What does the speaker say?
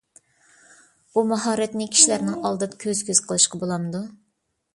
بۇ ماھارەتنى كىشىلەرنىڭ ئالدىدا كۆز - كۆز قىلىشقا بولامدۇ؟